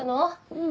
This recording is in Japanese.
うん。